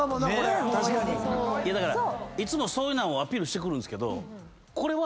だからいつもそんなんをアピールしてくるんすけどこれは。